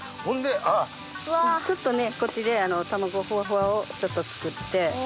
ちょっとこっちで卵ふわふわをちょっと作って。